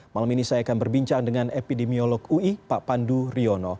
malam ini saya akan berbincang dengan epidemiolog ui pak pandu riono